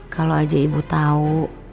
kalau aja ibu tahu